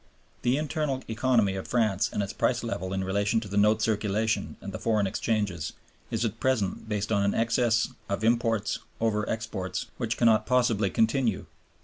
The internal economy of France and its price level in relation to the note circulation and the foreign exchanges is at present based on an excess of imports over exports which cannot possibly continue.